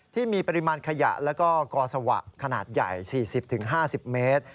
ที่มีปริมาณขยะแล้วก็กอสวะขนาดใหญ่๔๐๕๐เมตร